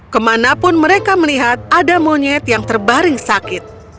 kemanapun mereka melihat ada monyet yang terbaring sakit